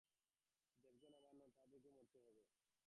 দেবগণ অমর নন, তাঁহাদিগকেও মরিতে হয়।